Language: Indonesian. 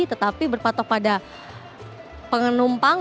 tetapi berpatok pada penumpang